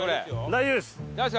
大丈夫です。